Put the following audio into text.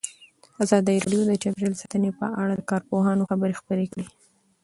ازادي راډیو د چاپیریال ساتنه په اړه د کارپوهانو خبرې خپرې کړي.